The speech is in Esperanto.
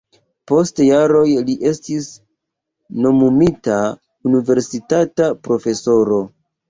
Post jaroj li estis nomumita universitata profesoro.